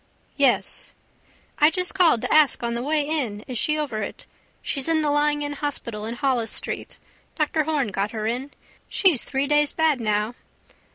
—Yes. —I just called to ask on the way in is she over it. She's in the lying in hospital in Holles street. Dr Horne got her in. She's three days bad now.